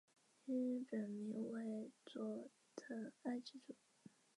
刘梦琼移民到港即加入加山女子足球队参加香港女子足球联赛。